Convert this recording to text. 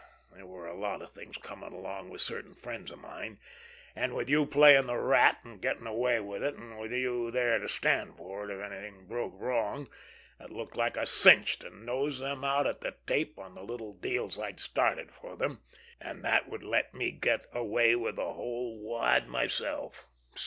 There were a lot of things coming along with certain friends of mine, and with you playing the Rat and getting away with it, and with you there to stand for it if anything broke wrong, it looked like a cinch to nose them out at the tape on the little deals I'd started for them, and that would let me get away with the whole wad myself.